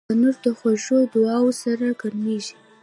تنور د خوږو دعاوو سره ګرمېږي